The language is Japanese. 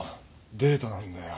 デートなんだよ。